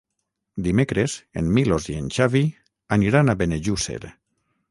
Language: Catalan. Dimecres en Milos i en Xavi aniran a Benejússer.